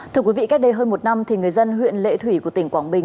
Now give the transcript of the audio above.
thưa quý vị cách đây hơn một năm thì người dân huyện lệ thủy của tỉnh quảng bình